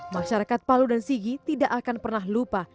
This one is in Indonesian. masyarakat palu dan sigi tidak akan pernah lupa